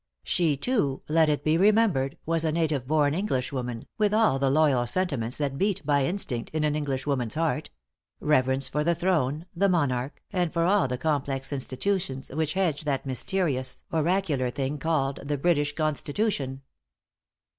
She too, let it be remembered, was a native born Englishwoman, with all the loyal sentiments that beat by instinct in an Englishwoman's heart reverence for the throne, the monarch, and for all the complex institutions which hedge that mysterious oracular thing called the British Constitution.